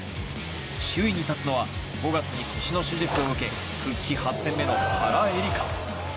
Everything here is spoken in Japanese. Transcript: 首位に立つのは５月に腰の手術を受け復帰８戦目の原英莉花。